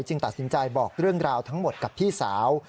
ตัดสินใจบอกเรื่องราวทั้งหมดกับพี่สาว